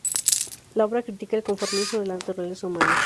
La obra critica el conformismo de la naturaleza humana.